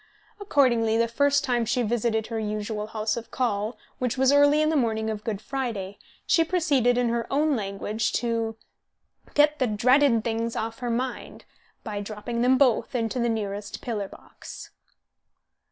Accordingly, the first time she visited her usual house of call, which was early on the morning of Good Friday, she proceeded, in her own language, to "get the dratted things off her mind" by dropping them both into the nearest pillar box.